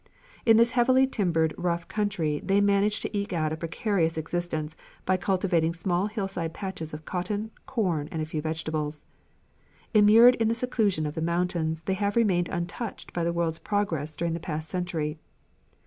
In this heavily timbered rough country they manage to eke out a precarious existence by cultivating small hillside patches of cotton, corn, and a few vegetables. Immured in the seclusion of the mountains they have remained untouched by the world's progress during the past century.